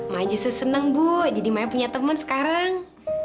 mai justru senang bu jadi mai punya temon sekarang